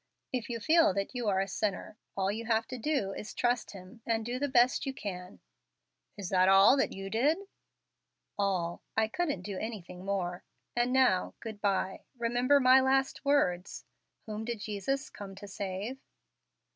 If you feel that you are a sinner, all you have to do is to trust Him and do the best you can." "Is that all you did?" "All. I couldn't do anything more. And now, good by. Remember my last words Whom did Jesus come to save?"